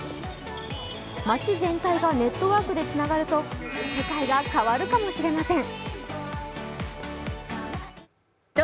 街全体がネットワークでつながると世界が変わるかもしれません。